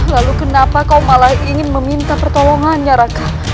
lalu kenapa kau malah ingin meminta pertolongannya raka